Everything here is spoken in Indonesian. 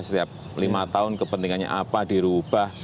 setiap lima tahun kepentingannya apa dirubah